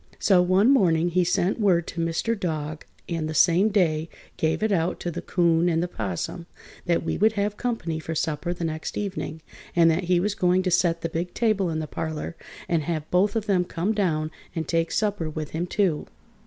So one morning he sent word to Mr. Dog, and the same day gave it out to the 'Coon and the 'Possum that we would have company for supper the next evening, and that he was going to set the big table in the parlor and have both of them come down and take supper with him, too.